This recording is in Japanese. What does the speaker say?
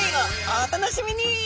お楽しみに！